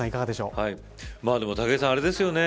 でも武井さん、あれですよね。